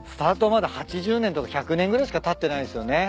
まだ８０年とか１００年ぐらいしかたってないんすよね